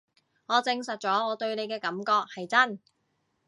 我證實咗我對你嘅感覺係真